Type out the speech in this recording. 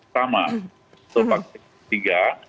sama untuk vaksin tiga